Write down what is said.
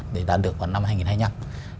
để đạt được vào năm hai nghìn hai mươi năm